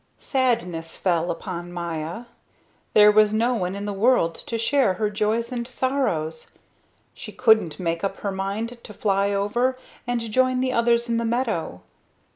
Sadness fell upon Maya. There was no one in the world to share her joys and sorrows. She couldn't make up her mind to fly over and join the others in the meadow.